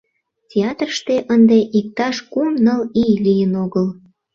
Театрыште ынде иктаж кум-ныл ий лийын огыл.